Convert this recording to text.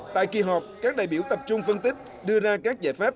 tại kỳ họp các đại biểu tập trung phân tích đưa ra các giải pháp